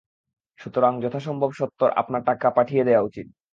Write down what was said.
সুতরাং যথাসম্ভব সত্বর আপনার টাকা পাঠিয়ে দেওয়া উচিত।